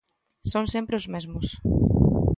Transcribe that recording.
Son sempre os mesmos.